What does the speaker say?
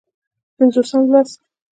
پينځوسم لوست